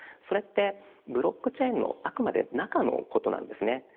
それってブロックチェーンのあくまで中のことなんですね。